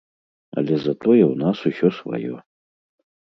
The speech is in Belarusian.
Але затое ў нас усё сваё.